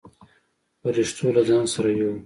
پرښتو له ځان سره يووړ.